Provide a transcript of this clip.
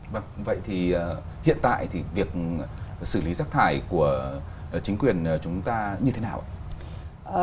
vâng vậy thì hiện tại thì việc xử lý rác thải của chính quyền chúng ta như thế nào ạ